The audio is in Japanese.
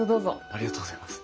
ありがとうございます。